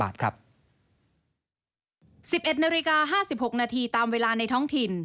๑๑นาฬิกา๕๖นาทีตามเวลาในท้องถิ่น